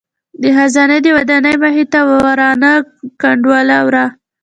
د خزانې د ودانۍ مخې ته ورانه کنډواله وه.